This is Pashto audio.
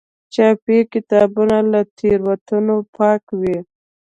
چاپي کتابونه له تېروتنو پاک وي.